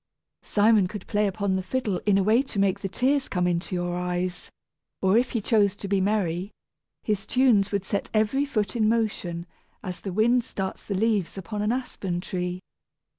Simon could play upon the fiddle in a way to make the tears come into your eyes; or if he chose to be merry, his tunes would set every foot in motion, as the wind starts the leaves upon an aspen tree.